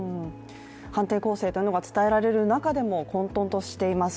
反転攻勢ということが伝えられる中でも混とんとしています。